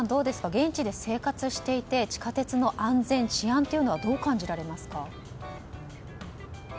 現地で生活をしていて地下鉄の安全、治安というのはどう感じられますか？